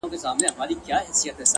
ننوتی تر اوو پوښو انجام دی!